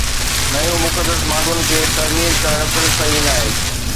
نيون مقدس ماڳن کي تعمير ڪرڻ پڻ صحيح ناهي